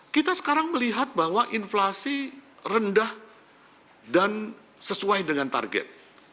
kita sekarang melihat bahwa inflasi rendah dan sesuai dengan target